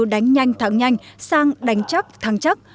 đánh nhanh thắng nhanh sang đánh chắc thắng chắc